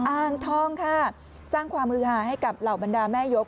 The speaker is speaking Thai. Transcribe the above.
อ่างทองค่ะสร้างความมือหาให้กับเหล่าบรรดาแม่ยก